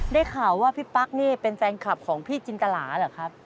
ได้ข่าวว่าพี่ปั๊กนี่เป็นแฟนคลับของพี่จินตราเหรอครับ